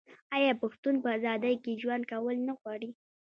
آیا پښتون په ازادۍ کې ژوند کول نه غواړي؟